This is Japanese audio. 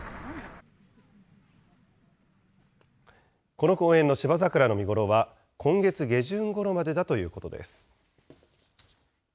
この公園のシバザクラの見頃は、今月下旬ごろまでだということです。